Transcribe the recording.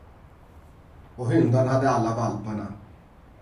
Och hyndan hade alla valparna.